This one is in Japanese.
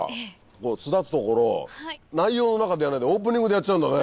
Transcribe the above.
巣立つところ内容の中でやんないでオープニングでやっちゃうんだね。